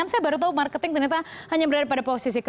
saya baru tahu marketing ternyata hanya berada pada posisi ke enam